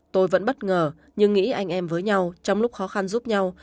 tôi vẫn bất ngờ nhưng nghĩ anh em với nhau trong lúc khó khăn giúp nhau